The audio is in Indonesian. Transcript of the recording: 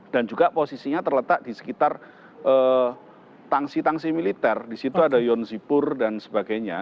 dan juga posisinya terletak di sekitar tangsi tangsi militer di situ ada yonzipur dan sebagainya